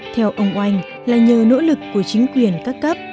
theo ông oanh là nhờ nỗ lực của chính quyền các cấp